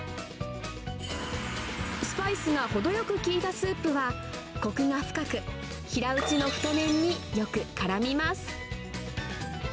スパイスが程よく効いたスープは、こくが深く、平打ちの太麺によくからみます。